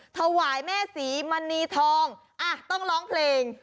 ถวายแม่ศรีมณีทองอ่ะต้องร้องเพลง